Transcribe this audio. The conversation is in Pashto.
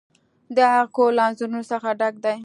د هغه کور له انځورونو څخه ډک دی.